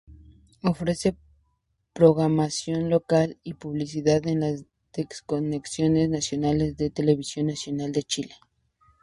Ofrece programación local y publicidad en las desconexiones nacionales de Televisión Nacional de Chile.